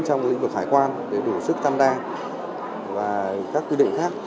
trong lĩnh vực hải quan để đủ sức tăng đa và các quy định khác